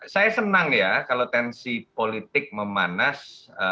saya senang ya kalau tensi politik memanas